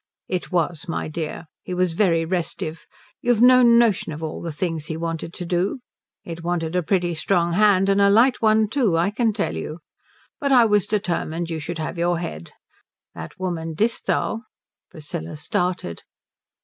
"It was, my dear. He was very restive. You've no notion of all the things he wanted to do. It wanted a pretty strong hand, and a light one too, I can tell you. But I was determined you should have your head. That woman Disthal " Priscilla started.